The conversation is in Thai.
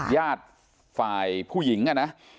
ญาติฝ่ายผู้หญิงนะ